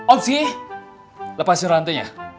opsi lepasin rantainya